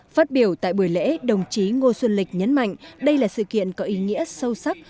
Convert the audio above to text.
phát biểu tại buổi lễ đồng chí ngô xuân lịch nhấn mạnh đây là sự kiện có ý nghĩa sâu sắc